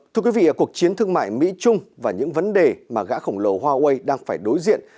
thưa quý vị cuộc chiến thương mại mỹ trung và những vấn đề mà gã khổng lồ huawei đang phải đối diện